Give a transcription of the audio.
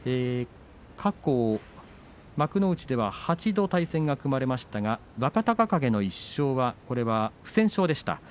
過去、幕内では８度対戦が組まれましたが若隆景の１勝はこれが不戦勝でした。